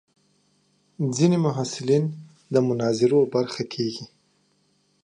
ځینې محصلین د مناظرو برخه کېږي.